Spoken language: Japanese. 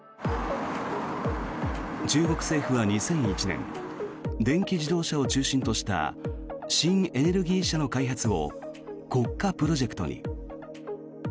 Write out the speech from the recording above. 中国政府は２００１年電気自動車を中心とした新エネルギー車の開発を国家プロジェクトに。